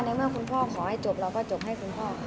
แต่ว่าถ้าคุณพ่อคำว่าให้จบเราก็จบให้คุณพ่อ